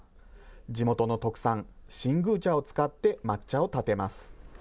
地元の特産、新宮茶を使って抹茶をたてます。